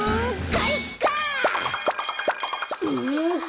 かいか！